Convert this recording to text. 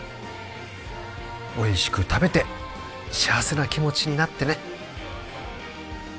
「美味しく食べて幸せな気持ちになってね」